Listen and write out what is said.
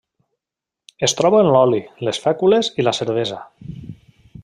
Es troba en l'oli, les fècules i la cervesa.